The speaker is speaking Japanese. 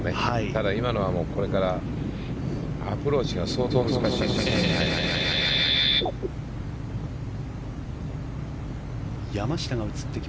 ただ、今のはこれからアプローチが相当難しい。